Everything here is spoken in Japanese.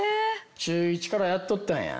中１からやっとったんや。